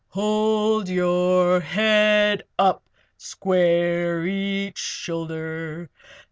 Hold your head up! Square each shoulder!